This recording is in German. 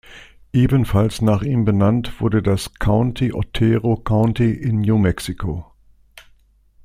Ebenfalls nach ihm benannt wurde das County Otero County in New Mexico.